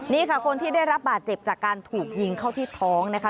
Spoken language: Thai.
นี่ค่ะคนที่ได้รับบาดเจ็บจากการถูกยิงเข้าที่ท้องนะคะ